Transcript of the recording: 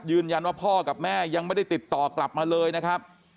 พ่อกับแม่ยังไม่ได้ติดต่อกลับมาเลยนะครับ